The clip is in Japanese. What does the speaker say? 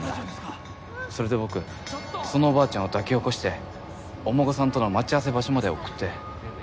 それで僕そのおばあちゃんを抱き起こしてお孫さんとの待ち合わせ場所まで送って。